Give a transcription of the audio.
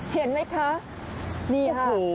เห็นไหมคะนี่ค่ะ